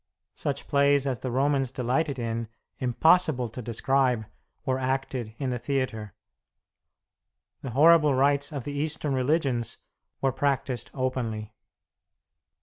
Such plays as the Romans delighted in, impossible to describe, were acted in the theatre. The horrible rites of the Eastern religions were practised openly.